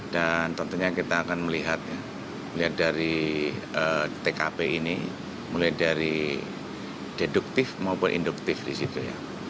dan tentunya kita akan melihat ya melihat dari tkp ini mulai dari deduktif maupun induktif di situ ya